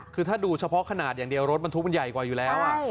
คือถ้าดูเฉพาะขนาดอย่างเดียวรถบรรทุกมันใหญ่กว่าอยู่แล้ว